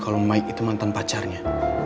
kalau mike itu mantan pacarnya